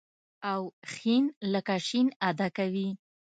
او ښ لکه ش ادا کوي.